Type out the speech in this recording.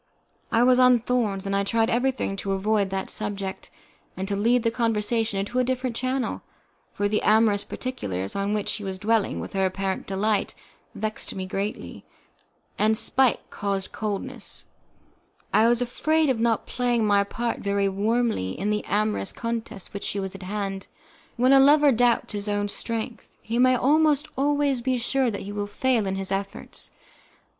I was on thorns, and I tried everything to avoid that subject, and to lead the conversation into a different channel, for the amorous particulars, on which she was dwelling with apparent delight, vexed me greatly, and spite causing coldness, I was afraid of not playing my part very warmly in the amorous contest which was at hand. When a lover doubts his own strength, he may almost always be sure that he will fail in his efforts.